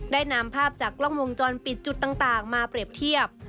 ได้นำภาพจากกล้องวงจรปิดจุดต่างมาเปรียบเทียบ